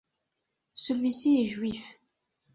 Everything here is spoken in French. Celui-ci est juif.